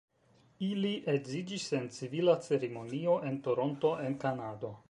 Ili edziĝis en civila ceremonio en Toronto en Kanado.